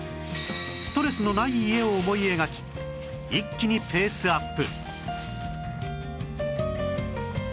ストレスのない家を思い描き一気にペースアップ